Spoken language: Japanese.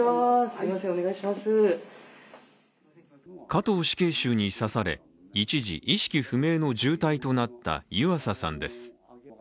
加藤死刑囚に刺され、一時意識不明の重体となった湯浅さんです